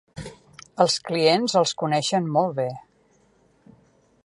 Els clients els coneixen molt bé.